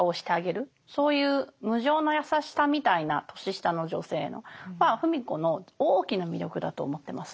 そういう無上の優しさみたいな年下の女性へのは芙美子の大きな魅力だと思ってます。